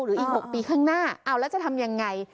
อีก๖ปีข้างหน้าเอาแล้วจะทำยังไง